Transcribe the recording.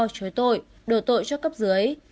chối tội đổ tội cho cấp dưới